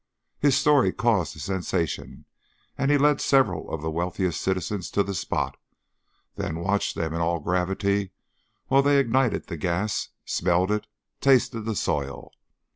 His story caused a sensation, and he led several of the wealthiest citizens to the spot, then watched them in all gravity while they ignited the gas, smelled it, tasted the soil.